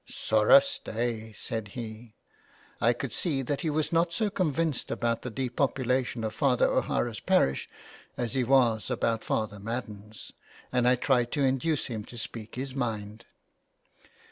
'' Sorra sta>'," said he. I could see that he was not so convinced about the depopulation of Father O'Hara's parish as he was about Father Madden's, and I tried to induce him to speak his mind.